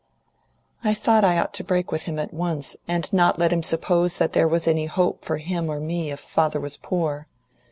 "I thought I ought to break with him at once, and not let him suppose that there was any hope for him or me if father was poor.